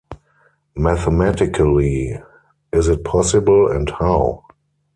Mathematically, is it possible and how?